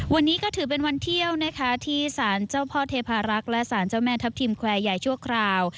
วันนี้ก็ถือเป็นวันเที่ยวนะคะที่สารเจ้าพ่อเทพารักษ์และสารเจ้าแม่ทัพทิมแควร์ใหญ่ชั่วคราว